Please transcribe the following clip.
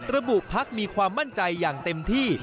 พักมีความมั่นใจอย่างเต็มที่